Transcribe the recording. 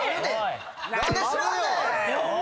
何で知らんねん！